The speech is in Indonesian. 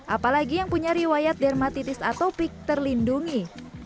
apalagi yang punya riwayat dermatitis atopik terlindungi